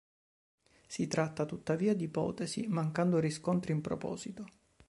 Si tratta, tuttavia, di ipotesi, mancando riscontri in proposito.